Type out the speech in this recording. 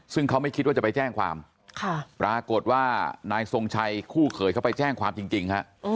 ซึ่งเขาไม่คิดว่าจะไปแจ้งความปรากฏว่านายทรงชัยคู่เขยเขาไปแจ้งความจริงฮะ